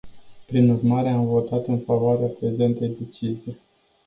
Prin urmare, am votat în favoarea prezentei decizii.